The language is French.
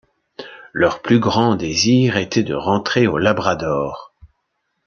Leur plus grand désir était de rentrer au Labrador.